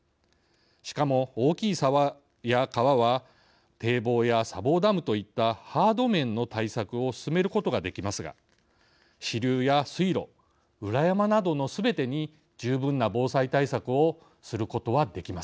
しかも大きい沢や川は堤防や砂防ダムといったハード面の対策を進めることができますが支流や水路裏山などのすべてに十分な防災対策をすることはできません。